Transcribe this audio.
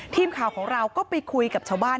ทีมข่าวของเราก็ไปคุยกับชาวบ้าน